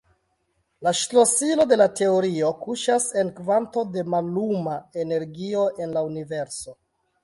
La ŝlosilo de la teorio kuŝas en kvanto da malluma energio en la Universo.